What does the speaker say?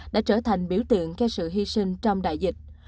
đã trở thành biểu tượng cho sự hy sinh trong đại dịch